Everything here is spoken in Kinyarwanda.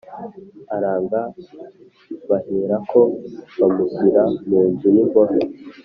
Aranga, baherako bamushyira mu nzu y’imbohe